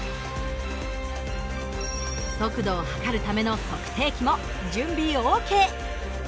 速度を測るための測定器も準備オーケー。